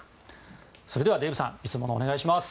それではデーブさんいつものお願いします。